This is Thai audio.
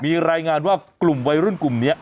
มีรายงานว่ากลุ่มวัยรุ่นกลุ่มนี้